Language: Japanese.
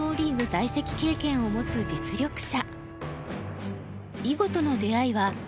在籍経験を持つ実力者。